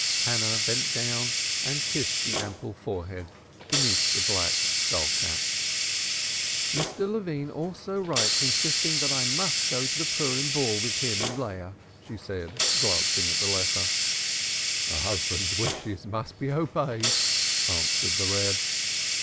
Hannah bent down and kissed the ample forehead beneath the black skull cap. "Mr. Levine also writes insisting that I must go to the Purim ball with him and Leah," she said, glancing at the letter. "A husband's wishes must be obeyed," answered the Reb.